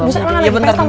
bisa enggak lagi pesta lama